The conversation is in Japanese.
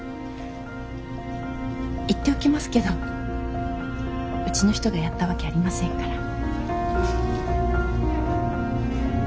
言っておきますけどうちの人がやったわけありませんから。